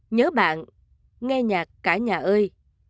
nhớ bạn nghe nhạc cả nhà ơi